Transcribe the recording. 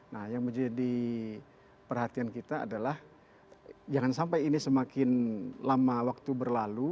nah yang menjadi perhatian kita adalah jangan sampai ini semakin lama waktu berlalu